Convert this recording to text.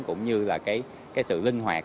cũng như là cái sự linh hoạt